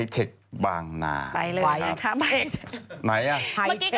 พี่ชอบแซงไหลทางอะเนาะ